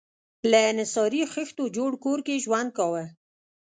له انحصاري خښتو جوړ کور کې ژوند کاوه.